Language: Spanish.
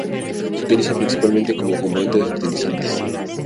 Se utiliza principalmente como componente de fertilizantes.